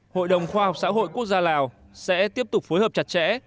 hội đồng khoa học xã hội quốc gia lào sẽ tiếp tục phối hợp chặt chẽ